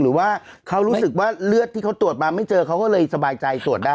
หรือว่าเขารู้สึกว่าเลือดที่เขาตรวจมาไม่เจอเขาก็เลยสบายใจตรวจได้